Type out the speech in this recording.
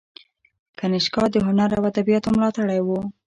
کنیشکا د هنر او ادبیاتو ملاتړی و